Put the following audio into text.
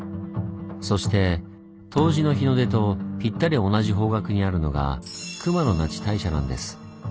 そして冬至の日の出とぴったり同じ方角にあるのが熊野那智大社なんです。